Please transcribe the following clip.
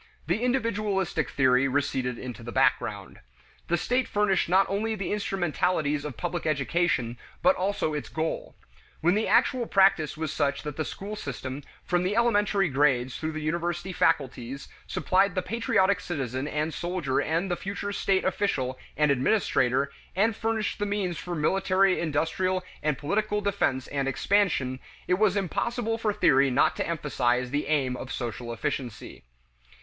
The individualistic theory receded into the background. The state furnished not only the instrumentalities of public education but also its goal. When the actual practice was such that the school system, from the elementary grades through the university faculties, supplied the patriotic citizen and soldier and the future state official and administrator and furnished the means for military, industrial, and political defense and expansion, it was impossible for theory not to emphasize the aim of social efficiency.